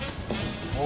お！